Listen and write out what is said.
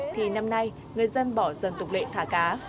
thì năm nay người dân bỏ dần tục lệ thả cá